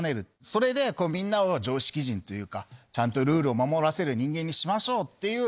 それでみんなを常識人というかちゃんとルールを守らせる人間にしましょうっていう。